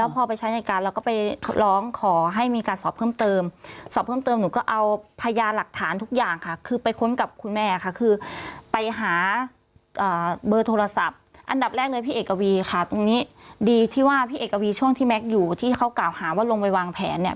พี่เอกกับวีค่ะตรงนี้ดีที่ว่าพี่เอกกับวีช่วงที่แม็กซ์อยู่ที่เขากล่าวหาว่าลงไปวางแผนเนี่ย